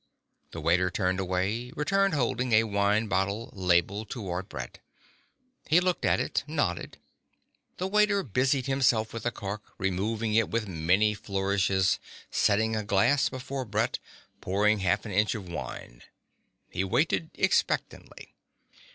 The waiter turned away, returned holding a wine bottle, label toward Brett. He looked at it, nodded. The waiter busied himself with the cork, removing it with many flourishes, setting a glass before Brett, pouring half an inch of wine. He waited expectantly.